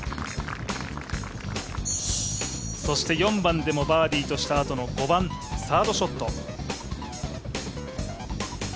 ４番でもバーディーとしたあとの５番、サードショット。